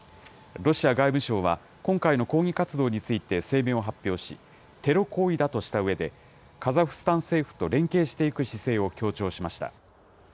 ロシア外務省は今回の抗議活動について声明を発表し、テロ行為だとしたうえで、カザフスタン政府と連携していく姿勢を強調しました。